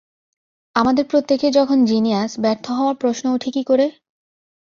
আমাদের প্রত্যেকে যখন জিনিয়াস, ব্যর্থ হওয়ার প্রশ্ন ওঠে কী করে?